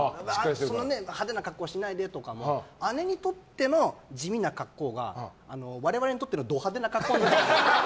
派手な格好しないでよとかも姉にとっての地味な格好が我々にとってのド派手な格好。